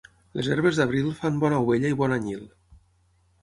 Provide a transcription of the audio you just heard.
Les herbes d'abril fan bona ovella i bon anyil.